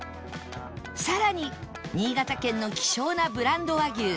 さらに新潟県の希少なブランド和牛